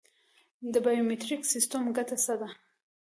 د بایومتریک سیستم ګټه څه ده؟